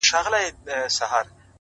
زه به هم داسي وكړم؛